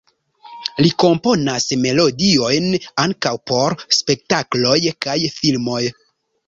Li komponas melodiojn ankaŭ por spektakloj kaj filmoj.